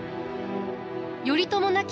頼朝亡き